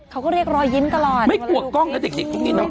เขาก็เรียกรอยยิ้มตลอดไม่กลัวกล้องนะติดตุ๊กกินเขากลัวชินครับ